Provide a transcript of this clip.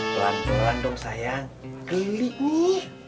pelan pelan dong sayang geli nih